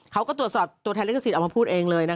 เขาก็ตรวจสอบตัวแทนลิขสิทธิ์ออกมาพูดเองเลยนะ